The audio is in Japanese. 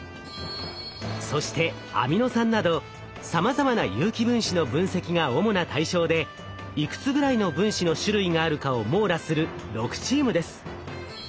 そしてアミノ酸などさまざまな有機分子の分析が主な対象でいくつぐらいの分子の種類があるかを網羅する６チームです。